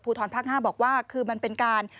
ภูทรภักดิ์๕บอกว่าคือมันเป็นการ